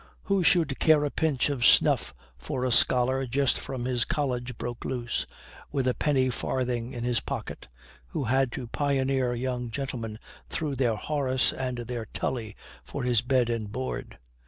Who should care a pinch of snuff for "a scholar just from his college broke loose" with a penny farthing in his pocket, who had to pioneer young gentlemen through their Horace and their Tully for his bed and board?